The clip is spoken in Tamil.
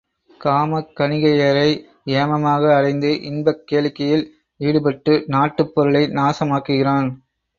காமக் கணிகையரை ஏமமாக அடைந்து இன்பக் கேளிக்கையில் ஈடுபட்டு நாட்டுப் பொருளை நாசம் ஆக்குகிறான்.